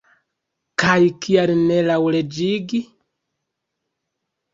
Kaj kial ne laŭleĝigi?